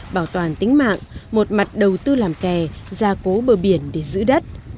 bảo toàn tính mạng một mặt đầu tư làm kè gia cố bờ biển để giữ đất